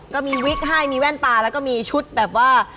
ก็มีวิกให้มีแว่นตาแล้วก็มีชุดแบบว่า